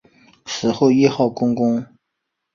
死后谥号恭公。